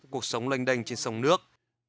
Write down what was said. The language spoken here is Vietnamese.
cuộc sống lanh đanh trên sông nước